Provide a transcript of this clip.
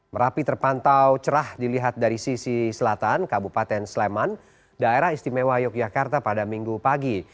merapi terpantau cerah dilihat dari sisi selatan kabupaten sleman daerah istimewa yogyakarta pada minggu pagi